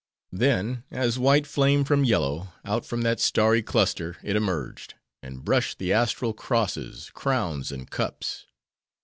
"Then, as white flame from yellow, out from that starry cluster it emerged; and brushed the astral Crosses, Crowns, and Cups.